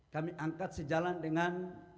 kami angkat sejalan dengan